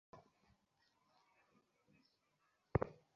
তিনি Ingleton, north ইয়র্কশায়ারের national স্কুলে পড়তেন।